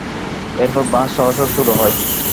এরপর বাস চলাচল শুরু হয়।